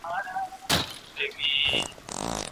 نادر څوک دی چي خطر د هندوستان وي